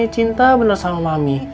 cinta bener sama mami